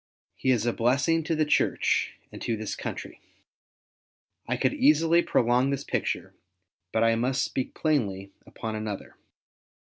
He is a blessing to the Church and to this country. I could easily prolong this picture ; but I must speak plainly upon another.